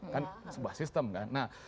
kan sebuah sistem kan